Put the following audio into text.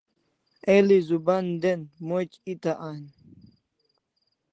El'i zuban dan moch eta an